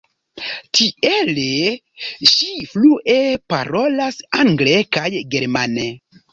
Tiel ŝi flue parolas angle kaj germane.